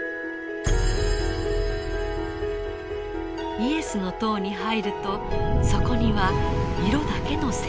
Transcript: イエスの塔に入るとそこには色だけの世界が広がります。